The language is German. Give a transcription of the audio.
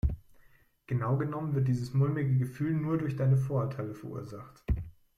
Genau genommen wird dieses mulmige Gefühl nur durch deine Vorurteile verursacht.